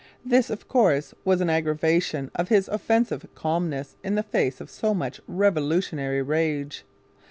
This, of course, was an aggravation of his offensive calmness in the face of so much revolutionary rage.